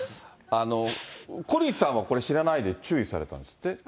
小西さんは知らないで注意されたんですって。